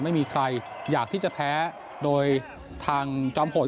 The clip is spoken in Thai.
ไม่มีใครอยากที่จะแพ้โดยทางจอมผล